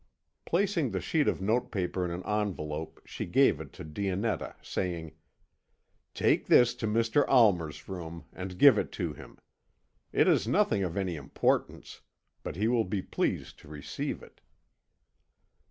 Placing the sheet of note paper in an envelope, she gave it to Dionetta, saying: "Take this to Mr. Almer's room, and give it to him. It is nothing of any importance, but he will be pleased to receive it."